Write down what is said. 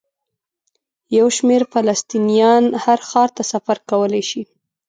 یو شمېر فلسطینیان هر ښار ته سفر کولی شي.